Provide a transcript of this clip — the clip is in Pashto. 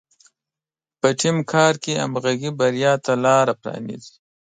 په ټیم کار کې همغږي بریا ته لاره پرانیزي.